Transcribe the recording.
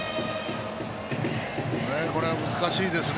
これは難しいですね